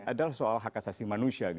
adalah soal hak asasi manusia